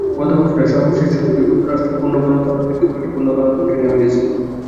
গত বছরের সর্বশেষ সূচকে যুক্তরাষ্ট্র পূর্ণ গণতন্ত্র থেকে ত্রুটিপূর্ণ গণতন্ত্রে নেমে গেছে।